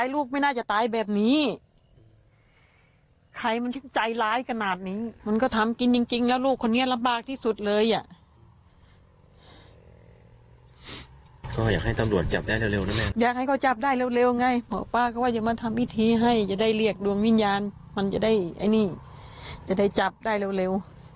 เรียกดวงวิญญาณมันจะได้ไอ้นี่จะได้จับได้เร็ว